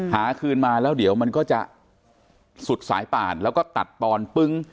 หาคืนมาแล้วเดี๋ยวมันก็จะสุดสายป่านแล้วก็ตัดตอนปึ้ง